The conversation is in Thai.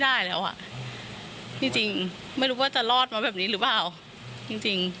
ได้แล้วอ่ะจริงจริงไม่รู้ว่าจะรอดมาแบบนี้หรือเปล่าจริงจริง